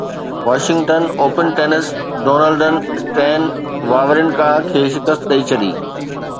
Washington open tennis ڊونلڊن Stan Wawrinka کي شڪست ڏئي ڇڏي